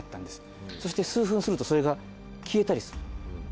そして数分するとそれが消えたりする。